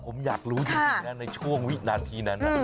ผมอยากรู้จริงนะในช่วงวินาทีนั้น